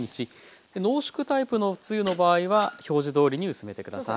濃縮タイプのつゆの場合は表示どおりに薄めて下さい。